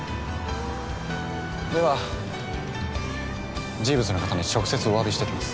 ではジーヴズの方に直接おわびしてきます。